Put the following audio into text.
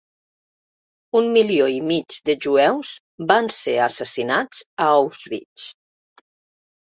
Un milió i mig de jueus van ser assassinats a Auschwitz.